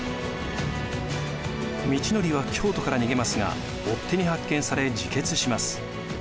通憲は京都から逃げますが追っ手に発見され自決します。